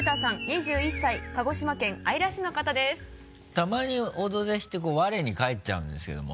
たまに「オドぜひ」ってこう我に返っちゃうんですけども。